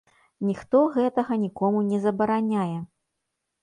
Ніхто гэтага нікому не забараняе.